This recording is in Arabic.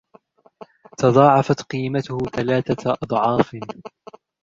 تضاعفت قيمته ثلاثة أضعاف.